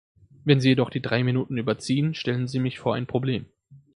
Wenn Sie jedoch die drei Minuten überziehen, stellen Sie mich vor ein Problem.